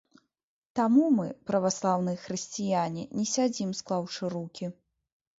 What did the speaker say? Таму мы, праваслаўныя хрысціяне, не сядзім склаўшы рукі.